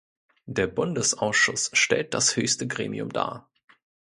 Der Bundesausschuss stellt das höchste Gremium dar.